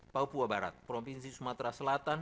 papua barat provinsi sumatera selatan